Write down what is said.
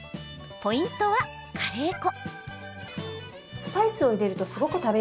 ポイントはカレー粉。